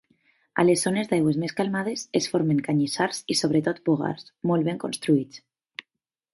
A les zones d'aigües més calmades es formen canyissars i sobretot bogars, molt ben constituïts.